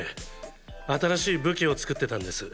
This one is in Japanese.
新しい武器を作ってたんです。